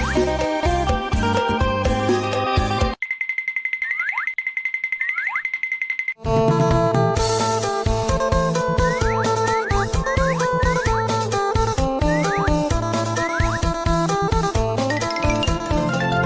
โปรดติดตามตอนต่อไป